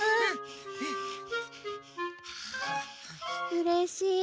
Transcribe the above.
うれしい。